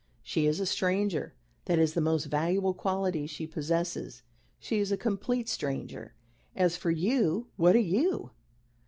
She is a stranger. That is the most valuable quality she possesses. She is a complete stranger. As for you, what are you?